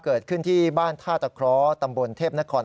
เกิดขึ้นที่บ้านท่าตะเคราะห์ตำบลเทพนคร